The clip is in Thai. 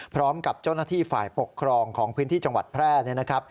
พร้อมกับเจ้าหน้าที่ฝ่ายปกครองของพื้นที่จังหวัดแพร่